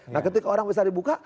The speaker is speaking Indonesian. nah ketika orang bisa dibuka